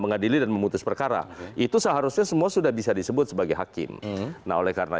mengadili dan memutus perkara itu seharusnya semua sudah bisa disebut sebagai hakim nah oleh karena